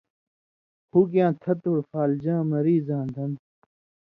ہُگیاں تھتُوڑ فالجاں مریضاں دن